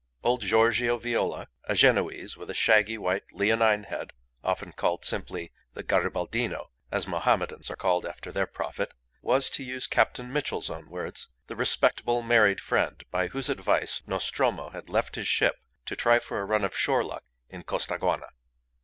Old Giorgio Viola, a Genoese with a shaggy white leonine head often called simply "the Garibaldino" (as Mohammedans are called after their prophet) was, to use Captain Mitchell's own words, the "respectable married friend" by whose advice Nostromo had left his ship to try for a run of shore luck in Costaguana.